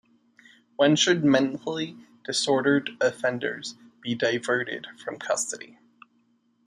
When should mentally disordered offenders be diverted from custody?